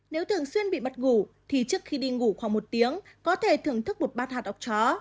nếu thường xuyên bị mất ngủ thì trước khi đi ngủ khoảng một tiếng có thể thưởng thức một bát hạt ốc chó